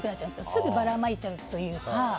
すぐばらまいちゃうというか。